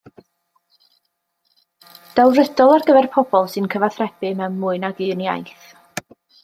Delfrydol ar gyfer pobl sy'n cyfathrebu mewn mwy nag un iaith.